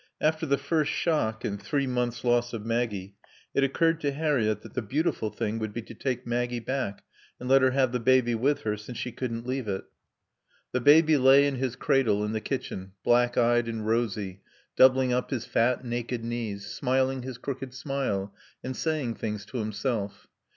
After the first shock and three months' loss of Maggie, it occurred to Harriett that the beautiful thing would be to take Maggie back and let her have the baby with her, since she couldn't leave it. The baby lay in his cradle in the kitchen, black eyed and rosy, doubling up his fat, naked knees, smiling his crooked smile, and saying things to himself.